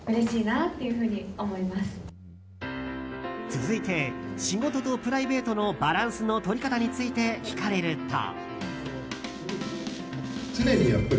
続いて仕事とプライベートのバランスのとり方について聞かれると。